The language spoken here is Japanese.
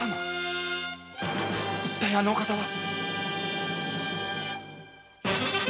一体あのお方は？